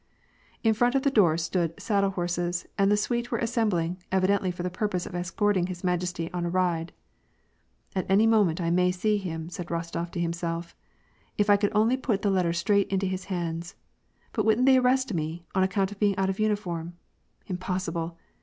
In front of the door stood saddle horses, and the suite were assembling, evidently for the purpose of escorting his majesty on a ride, *" At any moment, I may see him," said Bostof to himself "If I could only put the letter straight into his hands ! But wouldn't they arrest me, on account of being out of uniform ? Impossible